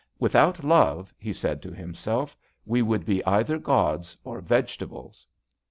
" Without love," he said to him self, " we would be either gods or vegetables."